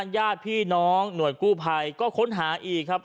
ญาติพี่น้องหน่วยกู้ภัยก็ค้นหาอีกครับ